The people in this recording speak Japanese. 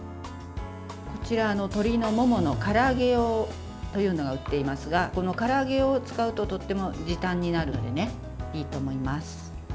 こちら、鶏のもものから揚げ用が売っていますがこのから揚げ用を使うととっても時短になるのでいいと思います。